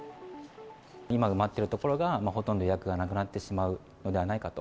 今埋まってるところが、ほとんど予約がなくなってしまうのではないかと。